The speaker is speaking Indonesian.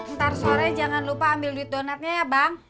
ntar sore jangan lupa ambil duit donatnya ya bang